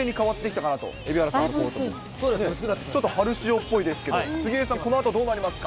ちょっと春仕様っぽいですけど、杉江さん、このあとどうなりますか。